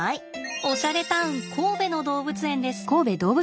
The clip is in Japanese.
おしゃれタウン神戸の動物園です。